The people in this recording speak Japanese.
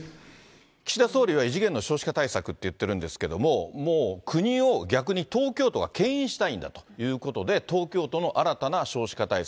岸田総理は異次元の少子化対策って言ってるんですけども、もう国を、逆に東京都がけん引したいんだということで、東京都の新たな少子化対策。